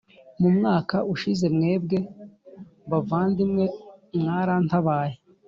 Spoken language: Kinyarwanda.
Mu mwaka ushize mwebwe bavandimwe mwarantabaye